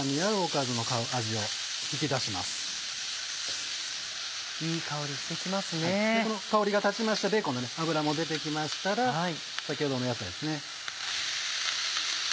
この香りが立ちましてベーコンの脂も出て来ましたら先ほどのやつですね。